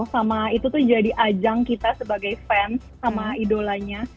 sama itu tuh jadi ajang kita sebagai fans sama idolanya